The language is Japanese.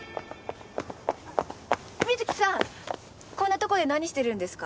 瑞希さんこんな所で何してるんですか？